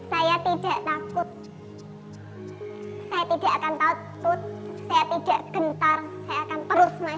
saya tidak takut saya tidak akan takut saya tidak gentar saya akan terus naik